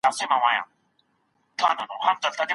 که کمپيوټر زما خپل وای درکوی مي .